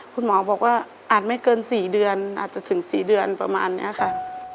คุณหมอบอกว่าอาจไม่เกิน๔เดือนอาจจะถึง๔เดือนประมาณนี้ค่ะ